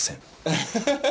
アハハハ。